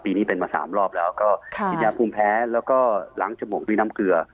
นี้เป็นมา๓รอบแล้วก็กินยาภูมิแพ้แล้วก็ล้างจมูกด้วยน้ำเกลือ